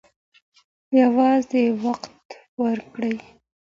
یوازې وخت ورکړئ.